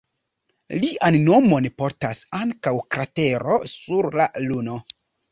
Lian nomon portas ankaŭ kratero sur la Luno.